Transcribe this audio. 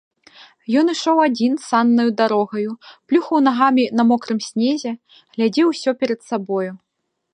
Ён ішоў адзін саннаю дарогаю, плюхаў нагамі на мокрым снезе, глядзеў усё перад сабою.